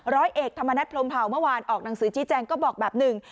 ร้อยเอกธรรมนัฐพรมเผาเมื่อวานออกหนังสือชี้แจงก็บอกแบบหนึ่ง